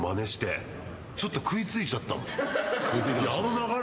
ちょっと食い付いちゃったもん。